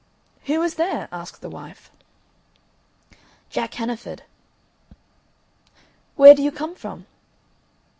"Who is there?" asked the wife. "Jack Hannaford." "Where do you come from?"